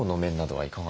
はい。